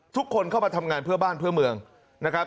ทุกคนเข้ามาทำงานเพื่อบ้านเพื่อเมืองนะครับ